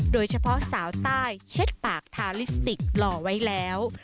โดยเฉพาะสาวใต้เช็ดปากทาลิสติกหล่อไว้แล้ว